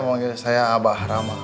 mengenai saya abah rama